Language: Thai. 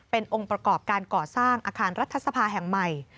เป็นองค์ประกอบการก่อสร้างอาคารรัฐสภาแห่งใหม่